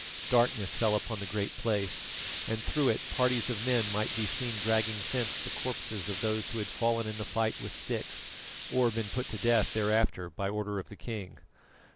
Darkness fell upon the Great Place, and through it parties of men might be seen dragging thence the corpses of those who had fallen in the fight with sticks, or been put to death thereafter by order of the king.